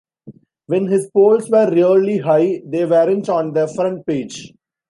When his polls were really high they weren't on the front page.